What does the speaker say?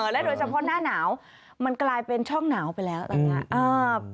โดยเฉพาะหน้าหนาวมันกลายเป็นช่องหนาวไปแล้วตอนนี้